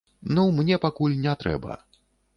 Ну, мне пакуль не трэба.